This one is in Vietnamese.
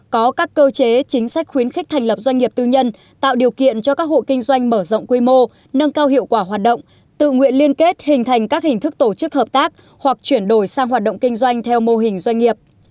có các cơ chế chính sách khuyến khích thành lập doanh nghiệp tư nhân tạo điều kiện cho các hộ kinh doanh mở rộng quy mô nâng cao hiệu quả hoạt động tự nguyện liên kết hình thành các hình thức tổ chức hợp tác hoặc chuyển đổi sang hoạt động kinh doanh theo mô hình doanh nghiệp